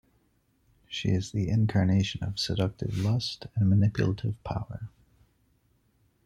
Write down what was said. She is the incarnation of seductive lust and manipulative power.